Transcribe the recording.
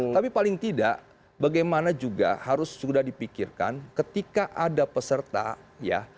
tapi paling tidak bagaimana juga harus sudah dipikirkan ketika ada peserta ya